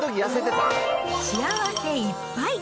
幸せいっぱい！